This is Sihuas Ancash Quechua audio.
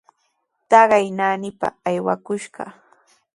Taqay naanipami aywakushqa.